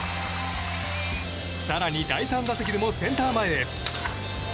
更に第３打席でもセンター前へ。